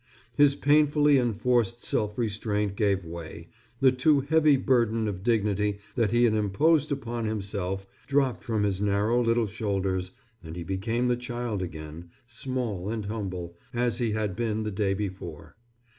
His painfully enforced self restraint gave way, the too heavy burden of dignity that he had imposed upon himself dropped from his narrow little shoulders, and he became the child again, small and humble, as he had been the day before.